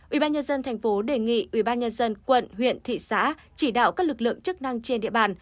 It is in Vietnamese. ubnd tp đề nghị ubnd quận huyện thị xã chỉ đạo các lực lượng chức năng trên địa bàn